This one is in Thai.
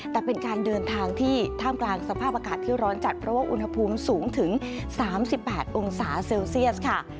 แต่เป็นการเดินทางที่ท่ามกลางสภาพอากาศที่ร้อนจัดเพราะว่าอุณหภูมิสูงถึง๓๘องศาเซลเซียสค่ะ